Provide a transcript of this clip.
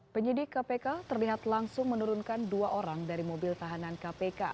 penyidik kpk terlihat langsung menurunkan dua orang dari mobil tahanan kpk